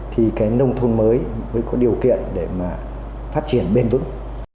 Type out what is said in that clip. thì nông thôn mới mới có điều kiện để phát triển bền vững